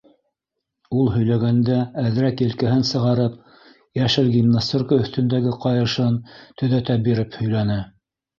Ул, һөйләгәндә әҙерәк елкәһен сығарып, йәшел гимнастеркаһы өҫтөндәге ҡайышын төҙәтә биреп һөйләне.